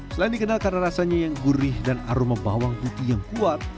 selain dikenal karena rasanya yang gurih dan aroma bawang putih yang kuat